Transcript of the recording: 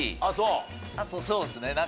あとそうですね。